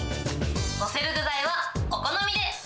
載せる具材はお好みで。